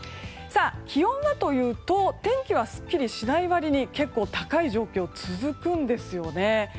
気温はというと天気はすっきりしない割に結構高い状況が続くんです。